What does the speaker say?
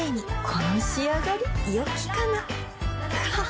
この仕上がりよきかなははっ